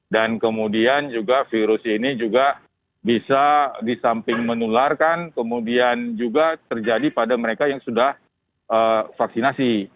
dan kemudian juga virus ini juga bisa disamping menularkan kemudian juga terjadi pada mereka yang sudah vaksinasi